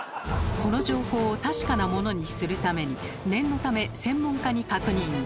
この情報を確かなものにするために念のため専門家に確認。